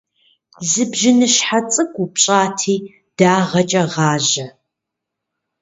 Зы бжьыныщхьэ цӏыкӏу упщӏати дагъэкӏэ гъажьэ.